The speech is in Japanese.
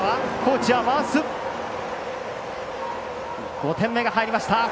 ５点目が入りました。